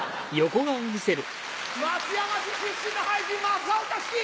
松山市出身の俳人正岡子規！